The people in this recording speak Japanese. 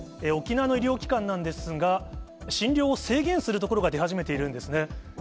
沖縄の医療機関なんですが、診療を制限する所が出始めているんですね。